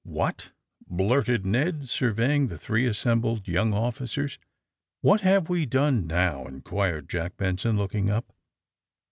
What?" blurted ISTed, surveying the three assembled young officers. *^What have we done now!" inquired Jack Benson, looking up.